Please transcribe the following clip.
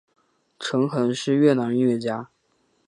陈桓是越南音乐家。